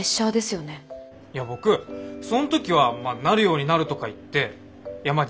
いや僕そん時はなるようになるとか言ってまあ